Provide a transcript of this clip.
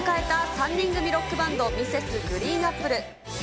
３人組ロックバンド、Ｍｒｓ．ＧＲＥＥＮＡＰＰＬＥ。